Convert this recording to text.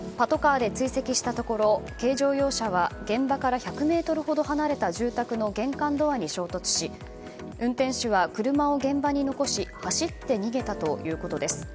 パトカーで追跡したところ軽乗用車は現場から１００ｍほど離れた住宅の玄関ドアに衝突し運転手は車を現場に残し走って逃げたということです。